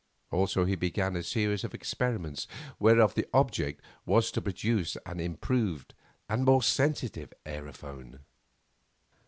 Also he began a series of experiments whereof the object was to produce an improved and more sensitive aerophone.